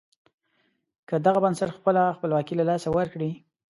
که دغه بنسټ خپله خپلواکي له لاسه ورکړي.